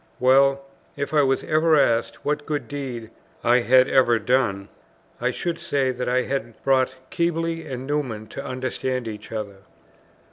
Well; if I was ever asked what good deed I had ever done, I should say that I had brought Keble and Newman to understand each other."